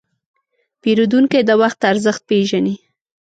پیرودونکی د وخت ارزښت پېژني.